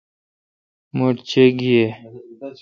مٹھ چے° گی یے°